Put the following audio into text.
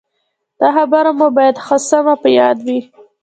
دا خبره مو باید ښه سمه په یاد وي.